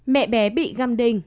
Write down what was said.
mẹ bé bị găm đinh